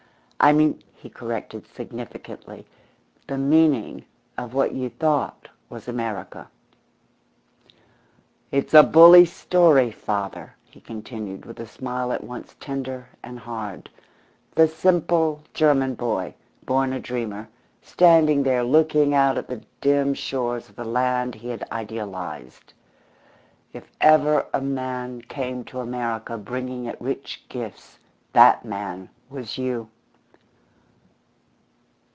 I mean," he corrected, significantly, "the meaning of what you thought was America. "It's a bully story, father," he continued, with a smile at once tender and hard; "the simple German boy, born a dreamer, standing there looking out at the dim shores of that land he had idealised. If ever a man came to America bringing it rich gifts, that man was you!"